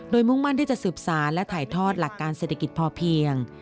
โดยมุ่งมั่นที่จะสืบสารและถ่ายทอดหลักการเศรษฐกิจพอเพียง